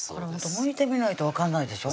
むいてみないと分かんないでしょ